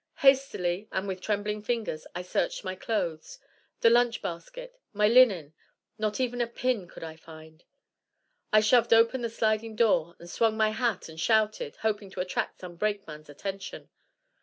Hastily, and with trembling fingers, I searched my clothes, the lunch basket, my linen; not even a pin could I find. I shoved open the sliding door, and swung my hat and shouted, hoping to attract some brakeman's attention.